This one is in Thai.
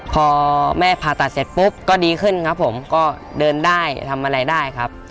พอแม่ผ่าตัดเสร็จปุ๊บก็ดีขึ้นครับผมก็เดินได้ทำอะไรได้ครับ